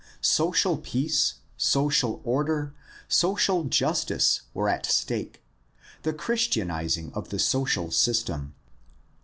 Social peace, social order, social justice were at stake, the Christianizing of the social system.